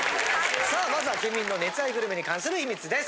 さあまずは県民の熱愛グルメに関する秘密です。